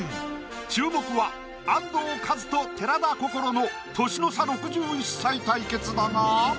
注目は安藤和津と寺田心の年の差６１歳対決だが。